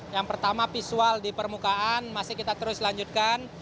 yang pertama visual di permukaan masih kita terus lanjutkan